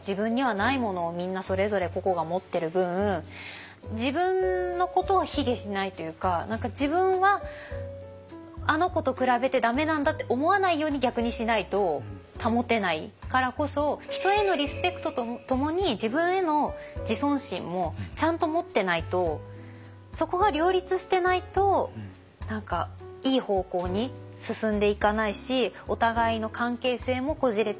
自分にはないものをみんなそれぞれ個々が持ってる分自分のことを卑下しないというか何か自分はあの子と比べて駄目なんだって思わないように逆にしないと保てないからこそ人へのリスペクトとともに自分への自尊心もちゃんと持ってないとそこが両立してないと何かいい方向に進んでいかないしお互いの関係性もこじれていっちゃう。